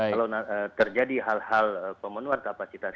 kalau terjadi hal hal pemenuhan kapasitas